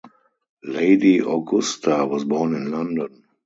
Lady Augusta was born in London.